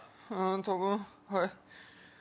多分はい。